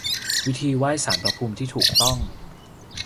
วิธีไหว้ศาลพระภูมิที่ถูกต้อง